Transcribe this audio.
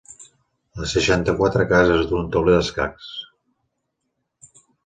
Les seixanta-quatre cases d'un tauler d'escacs.